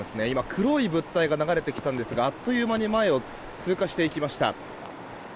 黒い物体が流れてきたんですがあっという間に前を通過していきました。